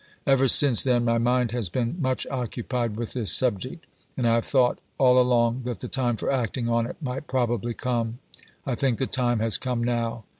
Ever since then my mind has been much occupied with this subject, and I have thought, all along, that the time for acting on it might probably come. I think the time has come now.